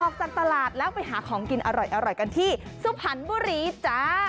ออกจากตลาดแล้วไปหาของกินอร่อยกันที่สุพรรณบุรีจ้า